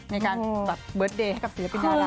ในการหัวข้างใจให้กับศิลปิจาราที่ชอบ